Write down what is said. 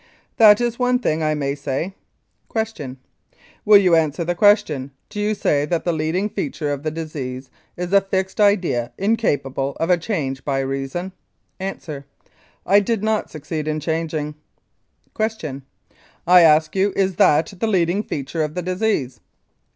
That is one thing I may say. Q. Will you answer the question? Do you say that the leading feature of the disease is a fixed idea incapable of a change by reason? A. 1 did not succeed in changing. Q. I ask you is that the leading feature of the disease?